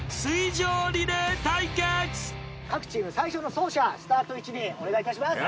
各チーム最初の走者スタート位置にお願いいたします。